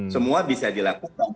semua bisa dilakukan